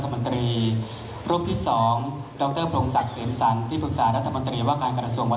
ถือว่าชีวิตที่ผ่านมายังมีความเสียหายแก่ตนและผู้อื่น